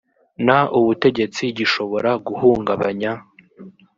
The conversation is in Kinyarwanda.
n ubutegetsi gishobora guhungabanya